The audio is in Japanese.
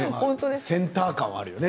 センター感はあるよね